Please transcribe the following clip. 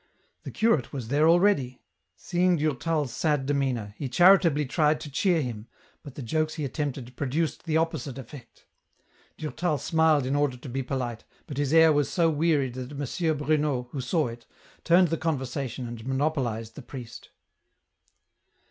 The curate was there already. Seeing Durtal's sad demeanour, he charitably tried to cheer him, but the jokes he attempted produced the opposite effect, Durtal smiled in order to be polite, but his air was so wearied that M. Bruno, who saw it, turned the conversation and monopolized the priest.